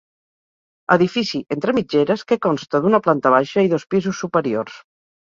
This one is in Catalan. Edifici entre mitgeres, que consta d'una planta baixa i dos pisos superiors.